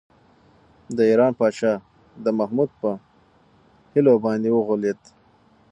د ایران پادشاه د محمود په حيلو باندې وغولېد.